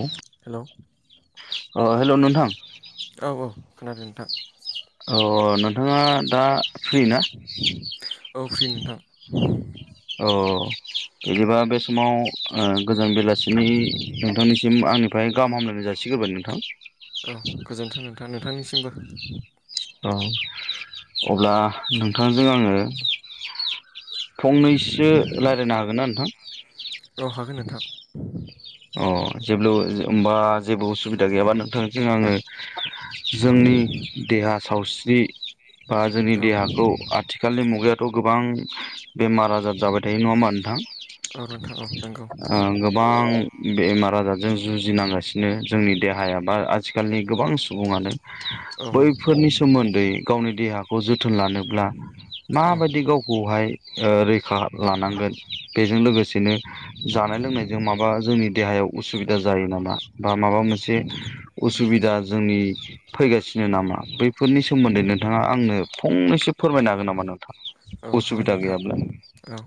औ हेलौ अ हेलौ नोंथां औ औ खोनादों नोंथां औ अ नोंथाङा दा फ्रि ना औ फ्रि नोंथां औ बिदिबा बे समाव ओ गोजोन बेलासिनि नोंथांनिसिम आंनिफ्राय गाहाम हामलायनाय जासिग्रोबाय नोंथां। ओम गोजोन्थों नोंथां नोंथांनिसिमबो। औ अब्ला नोंथांजों आङो औ फंनैसो रायलायनो हागोन ना नोंथां औ हागोन नोंथां अ जोब्लु होमबा जेबो उसुबिदा गैयाबा नोंथांजों आङो जोंनि देहा साव बे बा जोंनि औ देहाखौ आथिखालनि मुगायाथ' गोबां बेमार आजार जाबाय थायो नङा होमबा नोंथां औ नोंथां औ नंगौ ओं गोबां बेमार आजारजों जुजिनांगासिनो जोंनि देहाया बा आथिखालनि गोबां सुबुङानो औ बैफोरनि सोमोन्दै गावनि देहा अजित जोथोन लानोब्ला औ माबायदि गावखौहाय ओ रैखा लानांगोन बेजों लोगोसेनो जानाय लोंनायजों माबा जोंनि देहायाव उसुबिदा जायो नामा बा माबा मोनसे उ सुबिदा जोंनि फैगासिनो नामा बैफोरनि सोमोन्दै नोंथाङा आंनो फंनैसो फोरमायनो हागोन नामा नोंथां औ ह उसुबिदा नोंथां गैयाब्ला औ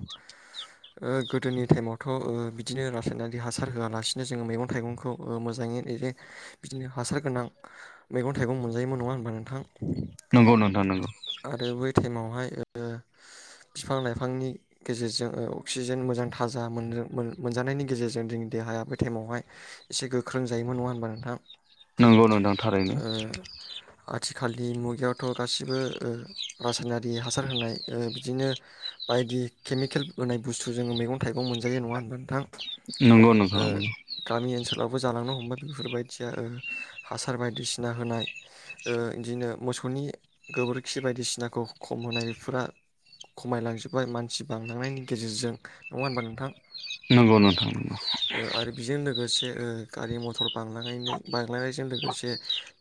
ओ गोदोनि टाइमावथ' ओ बिदिनो रासायनारि हासार होआलासिनो जोङो मैगं थाइगंखौ ओ मोजाङैे बिदिनो हासार गोनां मैगं थाइगं मोनजायोमोन नङा होमबा नोंथां नंगौ नोंथां नंगौ आरो बै टाइमावहाय ओ बिफां लाइफांनि गेजेरजों ओ अक्सिजेन मोजां थाजा मोननो मोन मोनजानायनि गेजेरजों जोंनि देहाया बे टाइमावहाय एसे गोख्रों जायोमोन नङा होनबा नोंथां नंगौ नोंथां थारैनो ओ आथिखालनि मुगायावथ' गासिबो ओ रासायनारि हा सार होनाय ओ बिदिनो बायदि केमिकेल होनाय बुस्थु जोङो मैगं थाइगं मोनजायो नङा होनब्ला नोंथां नंगौ नोंथां नंगौ लावबो जालांनो हमबाय बेफोरबायदिया ओ हासार बायदिसिना होनाय ओ बिदिनो मोसौनि गोबोरखि बायदिसिनाखौ खम होनाय बे फोरा खमायलांजोब्बाय मानसि बांलांनायनि गेजेरजों नङा होनबा नोंथां नंगौ नोंथां नंगौ दे ओ गारि मथर बांलांनायनो बा बांलांनायजों लोगोसे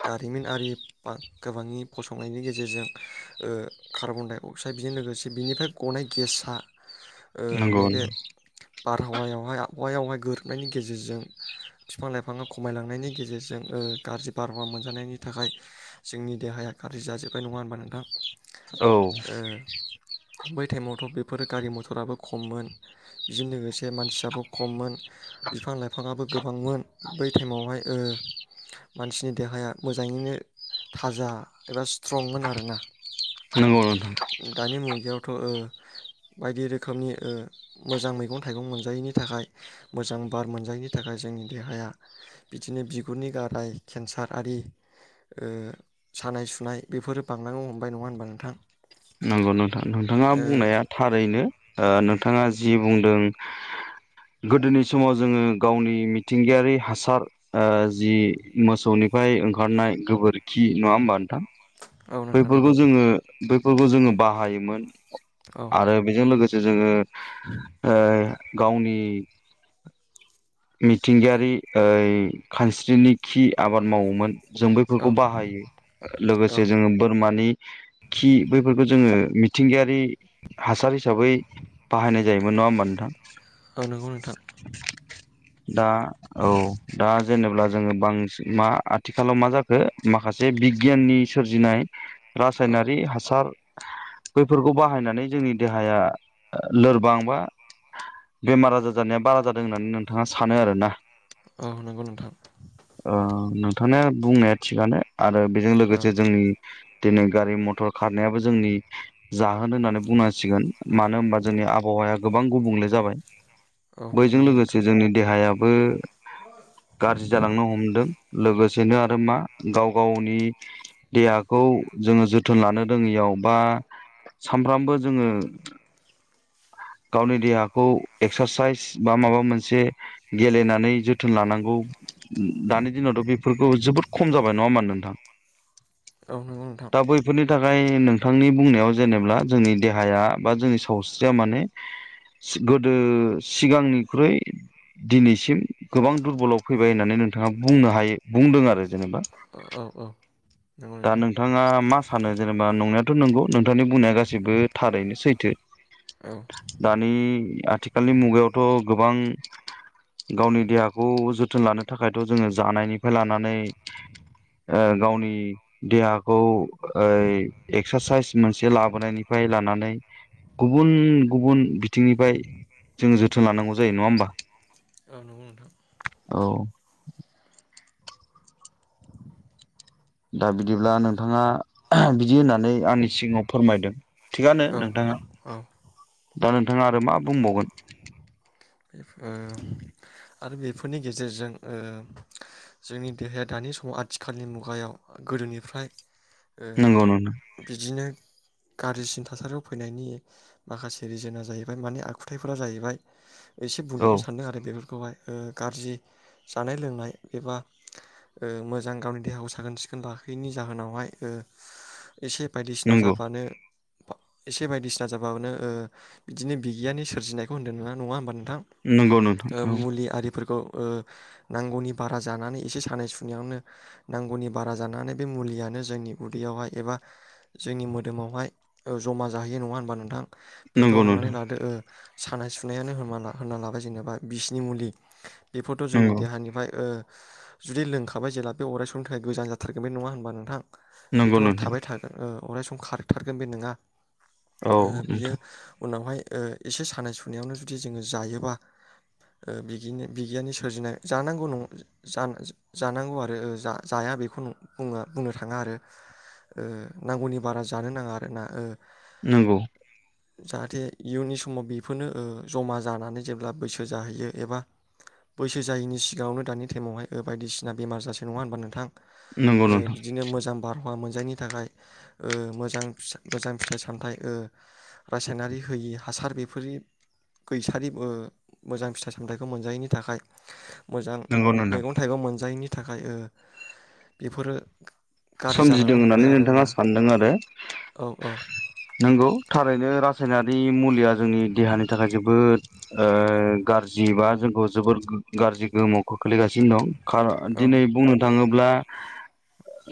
दारिमिनारि ब गोबांनि फसंनायनि गेजेरजों कार्बन दाइ साय बेजों लोगोसे बिनिफ्राय गनाय गेसआ ओ नंगौ नैबे बारहावायावहाय आबहावायावहाय गोरोबनायनि गेजेरजों बिफां लाइफाङा खमायलांनायनि गेजेरजों गाज्रि बारहावा मोनजानायनि थाखाय जोंनि देहाया गाज्रि जाजोब्बाय नङा होनबा नोंथां औ ओ बै टाइमावथ' बेफोरो गारि मथराबो खममोन बिजों लोगोसे मानसियाबो खममोन बिफां लाइफाङाबो गोबांमोन बै टाइमावहाय मानसिनि देहाया मोजाङैनो थाजा एबा स्ट्रंमोन आरोना [unintelligible] बेयावथ' बायदि रोखोमनि मोजां मैगं थाइगं मोनजायैनि थाखाय मोजां बार मोनजायैनि थाखाय जोंनि देहाया बिदिनो बिगुरनि गाराय केन्सार आरि सानाय सुनाय बेफोरो बांनांगनो हमबाय नङा होनबा नोंथां नंगौ नोंथां नोंथाङा ओ बुंनाया थारैनो नोंथाङा जि जि बुंदों गोदोनि समाव जोङो गावनि मिथिंगायारि हासार जि मोसौनिफ्राय ओंखारनाय गोबोरखि नङा होमबा नोंथां औ नोंथां बैफोरखौ नंगौ जोङो बै फोरफोरखौ जोङो बाहायोमोन औ आरो बेजों लोगोसे जोङो ओ [inaudible] गावनि मिथिंगायारि खानस्रिनि खि आबाद मावोमोन जों औ बैफोरखौ बाहायो औ लोगोसे बोरमानि खि बैफोरखौ जोङो मिथिंगायारि हासार हिसाबै बाहायनाय जायोमोन नङा होमबा नोंथां आरो नंगौ नोंथां दा औ दा जेनेबा जोङो बांसिन मा आथिखालाव मा जाखो माखासे बिगियाननि सोरजिनाय औ रासायनारि हासार बैफोरखौ बाहायनानै जोंनि देहाया लोरबां बा बेमार आजार जानाया बारा जादों होननानै नोंथाङा सानो आरोना? औ नोंगौ नोंथां। [unintelligible] बुंनाया थिगानो आरो औ जे जोंनि दिनै गारि मथर खारनायाबो जोंनि जाहोन होननानै बुंनांसिगोन मानो होनबा जोंनि आबहावाया गोबां गुबुंले जाबाय। औ बैजों नंगौ लोगोसे नोंथां जोंनि देहाया बो गाज्रि जालांनो हमदों लोगो एसेनो आरो मा गाव गावनि देहाखौ जोङो जोथोन लानो रोङैयाव बा सानफ्रामबो जोङो गावनि देहाखौ एक्सारसाइस बा माबा मोनसे गेलेनानै जोथोन लानांगौ। दानि दिनावथ' बेफोरखौ जोबोद खम जाबाय नङा मा नों थां औ नोंगौ नोंथां। बेनि थाखाय नोंथांनि बुंनायाव जेनेब्ला जोंनि देहाया बा जोंनि सावस्रिया माने सि गोदो सिगांनिख्रुइ दिनैसिम गोबां दुरबलाव फैबाय होननानै नोंथाङा बुंनो हायो बुंदों आरो जेनेबा ओ औ औ नंगौ दा नोंथां नोंथाङा मा सानो जेनेबा नंनायाथ' नोंगौ नोंथांनि बुंनाया गासैबो थारैनो सैथो। औ दानि आथिखालनि मुगायावथ' गोबां गावनि देहाखौ जोथोन लानो थाखायथ' जोङो जानायनिफ्राय लानानै ओ गावनि देहाखौ ओइ एक्सारसाइस मोनसे ला [unintelligible] निफ्राय लानानै गुबुन गुबुन बिथिंनिफ्राय जोंङो जोथोन लानांगौ जायो नङा होमबा औ नंगौ नोंथां औ। दा बिदिब्ला नोंथाङा बिदि होननानै आंनि सिगाङाव फोरमायदों। थिगानो औ नोंथाङा औ दा नोंथाङा आरो मा बुंबावगोन? ओ आरो बेफोरनि गेजेरजों ओ जोंनि देहाया दानि समाव आथिखालनि मुगायाव गोदोनिफ्राय ओ नंगौ नोंथां बिदिनो गाज्रिसिन थासारियाव फैनायनि माखासे रिजोनआ जाहैबाय माने आखुथायफोरा जाहैबाय एसे औ बुंदेरनो सान्दों आरो बेफोरखौहाय ओ गाज्रि जानाय लोंनाय एबा ओ मोजां गावनि देहाखौ साखोन सिखोन लाखैयैनि जाहोनावहाय ओ एसे बायदिसिना नंगौ जाबानो एसे बायदिसिना जाबानो ओ बिदिनो बिगियाननि सोरजिनायखौ होन्दों नङा नङा होनबा नों थां नंगौ नोंथां ओ औ मुलि आरिफोरखौ ओ नांगौनि बारा जानानै एसे सानाय सुनायावनो नांगौनि बारा जानानै बे मुलियानो जोंनि उदैयावहाय एबा जोंनि मोदोमावहाय ओ जमा जाहैयो नङा होनबा नोंथां। बेथ' नंगौ हमनानै नोंथां लादो ओ सानाय सुनायानो हमना ला होनना लाबाय जेनेबा बिसनि मुलि बेफोरथ' जोंनि नंगौ देहानिफ्राय ओ जुदि लोंखाबाय जेला बे अराय समनि थाखाय गोजान जाथारगोन बे नङा होनबा नोंथां बेथ' नंगौ नोंथां थाबाय थागोन ओ अराय सम खारथारगोन बे नोङा औ ओ बियो नोंथां उनावहाय ओ एसे सानाय सुनायावनो जुदि जोङो जायोबा ओ बिगिनो बिगियाननि सोरजिनाय जानांगौ नं जान जानांगौ आरो जा जाया बेखौ बुंङो बुंनो थाङा आरो ओ नांगौनि बारा जानो नाङा आरो ना ओ नंगौ जाहाथे इयुननि समाव बेफोरनो ओ जमा ज जानानै जेब्ला बैसो जाहैयो एबा बैसो जायैनि सिगाङावनो दानि टाइमावहाय बायदिसिना बेमार जासै नङा होनबा नोंथां नंगौ ओ नोंथां बिदिनो मोजां बार मा मोनजायनि थाखाय ओ मोजां मोजां फिथाइ सामथाइ ओ रासायनारि होयि हासार बेफोरनि फैसारिब ओ मोजां फिथाइ सामथाइखौ मोनजायैनि थाखाय मोजां नंगौ नोंथां मैगं थाइगं मोनजायैनि थाखाय ओ बेफोरो गाज्रि सोमजिदों जालांनो हमबाय होननानै नोंथाङा आरोना सानदों आरो औ औ नंगौ थारैनो रासायनारि मुलिया जोंनि देहानि थाखाय जोबोद ओ गाज्रि बा जोंखौ जोबोद गाज्रि गोहोमाव खोख्लैगासिनो दं खार औ दिनै बुंनो थाङोब्ला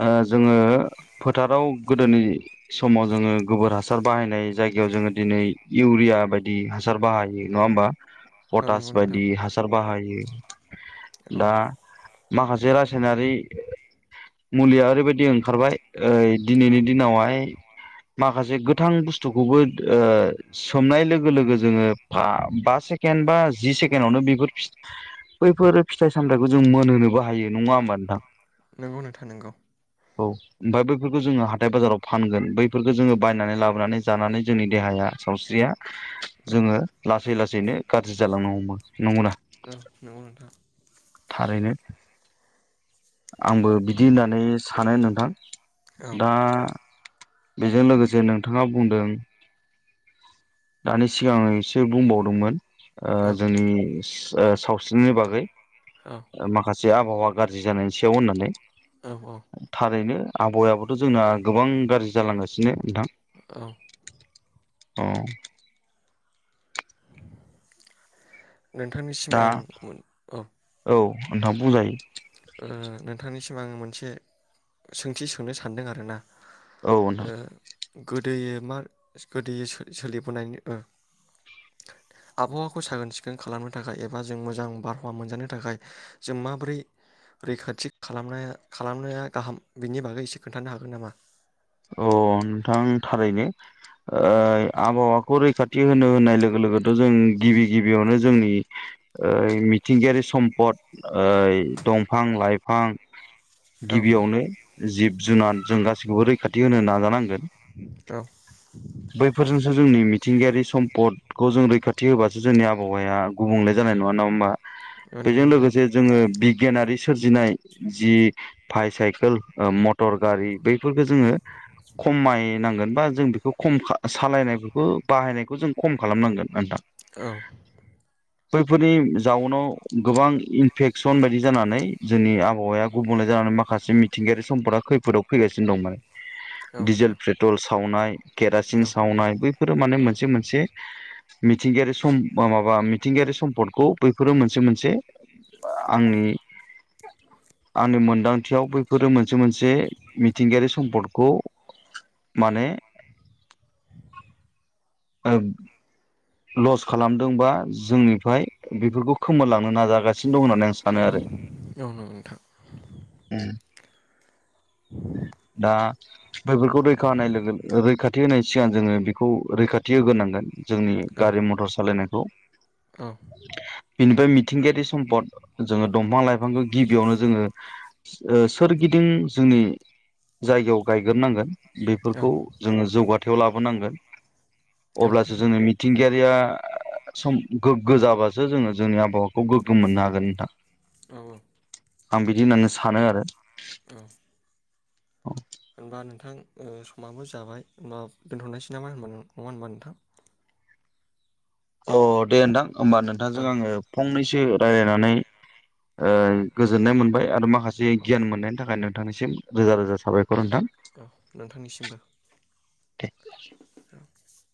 ओ जोङो फोथाराव गोदोनि समाव जोङो गोबोर हासार बाहायनाय जायगायाव जोङो दिनै इउरिया बायदि हासार बाहायो नङा होमबा पटास नंगौ नोंथां बायदि हासार बाहायो ए औ दा माखासे रासायनारि मुलिया ओरैबायदि ओंखारबाय ओइ औ दिनैनि दिनावहाय माखासे गोथां बुस्थुखौबो ओ सोमनाय लोगो लोगो जोङो बा सेकेण्ड बा जि सेकेणडआवनो बेफोर बैफोर फिथाइ सामथायखौ जों मोनहोनोबो हायो नङा होमबा नोंथां नोंगौ नोंथां नोंगौ औ ओमफ्राय बैफोरखौ जोङो हाथाय बाजाराव फानगोन बैफोरखौ जोङो बायनानै लाबोनानै जानानै जोंनि देहाया सावस्रिया औ जोङो ला लासै लासैनो गाज्रि जालांनो हमो नोंगौ ना औ नोंगौ नोंथा थारैनो आंबो बिदि होनना होननानै सानो नोंथां औ दा बेजों लोगोसे नोंथाङा बुंदों दानि सिगांसो बुंबावदोंमोन ओ औ जोंनि ओ सावस्रिनि बागै औ ओ माखासे जे आबहावा गाज्रि जानायनि सायाव होननानै औ औ आबहायाबोथ' जोंना गोबां गाज्रि जालांगासिनो नोंथां। औ औ नोंथांनिसिम आं औ अन्थाबो जायो [inaudible] नोंथांनिसिम आङो मोनसे सोंथि सोनो सानदों आरो ना ज औ नोंथां तुर प्रसाद तुर प्रसाद तुर ओ गुद गोद मा गोदै सोलिबोनाय आबहावाखौ साखोन सिखोन खालामनो थाखाय एबा जों मोजां बारहावा मोनजानो थाखाय जों माबोरै रैखाथि खालामनाया गाहाम बेनि बागै एसे खोन्थानो हागोन नामा? अ नोंथां थारैनो आबहावाखौ रैखाथि होनो होननाय लोगो लोगोथ' जों गिबि गिबियावनो जोंनि मिथिंगायारि सम्पद दंफां लाइफां औ गिबियावनो जिब जुनार जों गासिखौबो खाथि होनो नाजानांगोन औ बैफोरजोंसो जोंनि मिथिंगायारि सम्दखौ जों रैखाथि होबासो जोंनि आबहावाया गुबुंले जानाय नङा नङा होमबा? औ नंगौ बेजों नोंथां लोगोसे जोङो बिगियानारि सोरजिनाय जि बायसाइकेल मटर गारि बैफोर बेखौ जोङो खमायनांगोन बा जों बेखौ खम सालायनायफोरखौ बाहायनायखौ जों खम खालामनांगोन नोंथां। औ। खैफोदनि जाउनाव गोबां इनफेकसन बायदि जानानै जोंनि आबहावाया गुबुंले जानानै माखासे मिथिंगायारि समफोरा खैफोदाव फैगासिनो। बि दंमोन। औ डिजेल नोंथां पेट्रल सावनाय केरासिन औ सावनाय बैफोरो माने औ मोनसे मोनसे मिथिंगायारि सम माबा मिथिंगायारि सम्पदखौ बैफोरो मोनसे मोनसे आंनि आंनि मोनदांथियाव बैफोरो मोनसे मोनसे मिथिंगायारि सम्पदखौ माने औ। लस खालामदोंबा जोंनिफ्राय बेफोरखौ खोमोरलांनो नाजागासिनो। दं होननानै आं सानो आरो। औ नंगौ नोंथां दा बेैफोरखौ रैखा होनाय लोगो रैखाथि होनाय सिगां जोंङो बेखौ रैखाथि होग्रोनांगोन जोंनि औ गारि मटर सालायनायखौ औ बिनिफ्राय मिथिंगायारि सम्पद जोंङो दंफां लाइफांखौ गिबियावनो जोंङो सोरगिदिं जोंनि जायगायाव गायग्रोनांगोन बेफोरखौ जोंङो जौगाथायाव लाबोनांगोन। औ अब्लासो जोंङो मिथिंगायारिया सम गोग्गो जाबासो जोंङो जोंनि आबहावाखौ गोग्गो मोननो हागोन नोंथां। औ। आं बिदि होननानै सानो आरो। औ। औ। होनबा नोंथां समाबो जाबाय होनबा दोनथ नायसै नामा होनबा नंङा होनबा नोंथां? अ दे नोंथां होमबा नोंथांजों औ आंङो फंनै से रायलायनानै ओ गोजोननाय मोनबाय आरो माखा माखासे औ गियान मोननायनि थाखाय नोंथांनि सिम रोजा रोजा साबाय औ नोंथांनिसिमबो [inaudible]